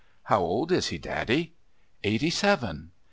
"How old is he, daddy?" "Eighty seven."